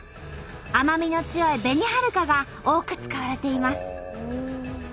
甘みの強い「紅はるか」が多く使われています。